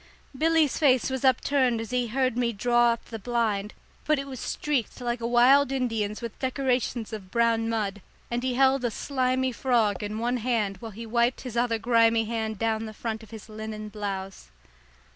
Billy's face was upturned as he heard me draw up the blind, but it was streaked like a wild Indian's with decorations of brown mud, and he held a slimy frog in one hand while he wiped his other grimy hand down the front of his linen blouse.